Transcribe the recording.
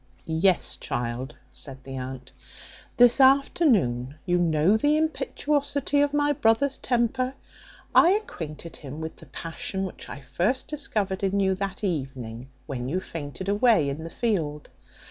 "Yes, child," said the aunt, "this afternoon. You know the impetuosity of my brother's temper. I acquainted him with the passion which I first discovered in you that evening when you fainted away in the field.